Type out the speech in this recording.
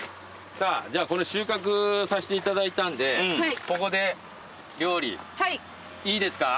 さぁじゃあこれ収穫させていただいたんでここで料理いいですか？